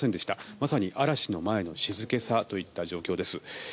まさに嵐の前の静けさといった状況です。